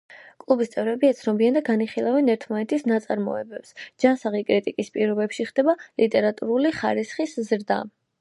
კლუბის წევრები ეცნობიან და განიხილავენ ერთმანეთის ნაწარმოებებს, ჯანსაღი კრიტიკის პირობებში ხდება ლიტერატურული ხარისხის ზრდა.